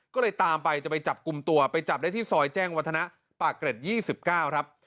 ก็เลยตามไปจะไปจับกลุ่มตัวไปจับได้ที่ซอยแจ้งวัฒนะปากเกร็ด๒๙ครับ